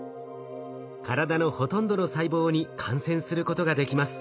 体のほとんどの細胞に感染することができます。